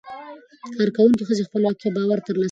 کارکوونکې ښځې خپلواکي او باور ترلاسه کوي.